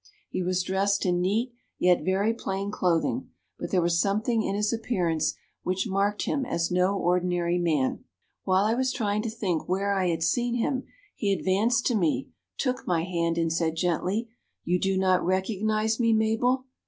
He was dressed in neat yet very plain clothing, but there was something in his appearance which marked him as no ordinary man. "While I was trying to think where I had seen him, he advanced to me, took my hand, and said, gently, 'You do not recognize me, Mabel?'